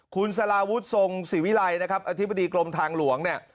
คุณสลาวุฒิทรงศิวิลัยนะครับอธิบดีกรมทางหลวงเนี่ย